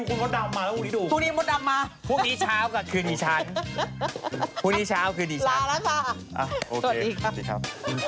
สวัสดีครับสวัสดีครับ